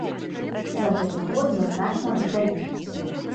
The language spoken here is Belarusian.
За гэты год мы значна дадалі.